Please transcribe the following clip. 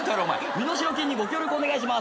「身代金にご協力お願いします」